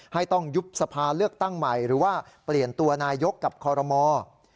ให้ต้องยุบสภาเลือกตั้งใหม่หรือว่าเปลี่ยนตัวนายกกับคอรมอล์